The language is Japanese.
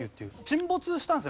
沈没したんですね。